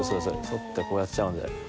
反ってこうやっちゃうんで。